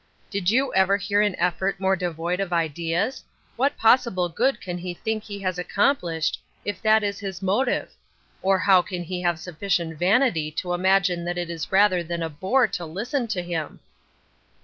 " Did you ever hear an effort more devoid ol ideas ? What possible good can he think he has accomplished, if that is his motive? Or low can he have sufficient vanity to imagine that it Is other than a bore to listen to him